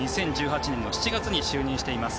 ２０１８年の７月に就任しています。